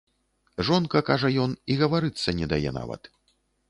Жонка, кажа ён, і гаварыцца не дае нават.